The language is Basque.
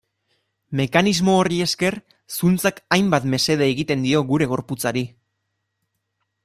Mekanismo horri esker, zuntzak hainbat mesede egiten dio gure gorputzari.